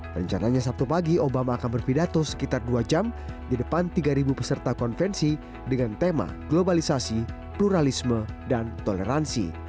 rencananya sabtu pagi obama akan berpidato sekitar dua jam di depan tiga peserta konvensi dengan tema globalisasi pluralisme dan toleransi